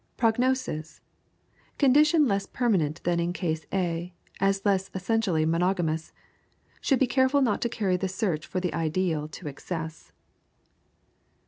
Prognosis: Condition less permanent than in case A, as less essentially monogamous. Should be careful not to carry the search for the ideal to excess.